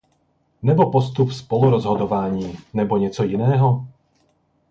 Nebo postup spolurozhodování, nebo něco jiného?